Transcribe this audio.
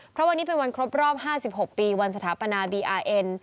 เพราะวันนี้เป็นวันครบรอบ๕๖ปีวันสถาปนาบีอาร์เอ็น